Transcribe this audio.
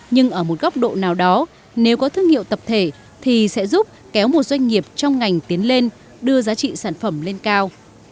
nhưng ở một góc độ nào đó nếu có thương hiệu tập thể thì sẽ giúp kéo một doanh nghiệp trong ngành tiến lên đưa giá trị sản phẩm lên cao